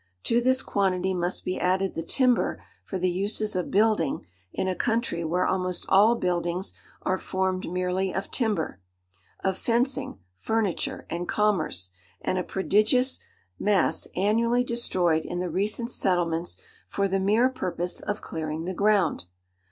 To this quantity must be added the timber for the uses of building, in a country where almost all buildings are formed merely of timber; of fencing, furniture, and commerce; and a prodigious mass annually destroyed in the recent settlements for the mere purpose of clearing the ground.